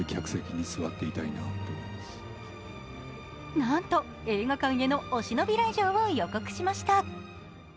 なんと映画館へのお忍び来場を予告しました。